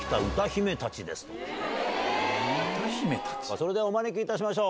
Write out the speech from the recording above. それではお招きいたしましょう。